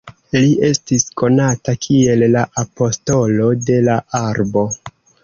Li estis konata kiel "la apostolo de la arbo".